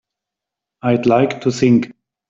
I'd like to think.